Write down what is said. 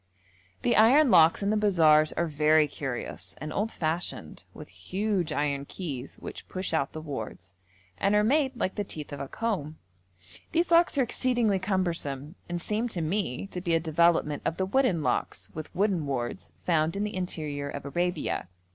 The iron locks in the bazaars are very curious and old fashioned, with huge iron keys which push out the wards, and are made like the teeth of a comb. These locks are exceedingly cumbersome, and seem to me to be a development of the wooden locks with wooden wards found in the interior of Arabia.